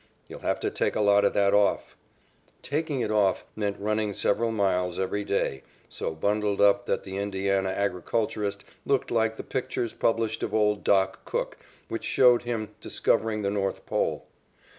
You'll have to take a lot of that off." "Taking it off" meant running several miles every day so bundled up that the Indiana agriculturist looked like the pictures published of "Old Doc" Cook which showed him discovering the north pole.